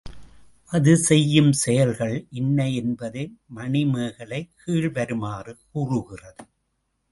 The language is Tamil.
அது செய்யும் செயல்கள் இன்ன என்பதை மணிமேகலை கீழ் வருமாறு கூறுகிறது.